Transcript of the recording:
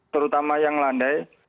terutama yang landai